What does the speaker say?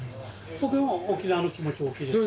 僕も沖縄の気持ち大きいです。